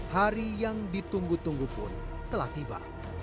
hari yang ditunggu tunggu pun telah tiba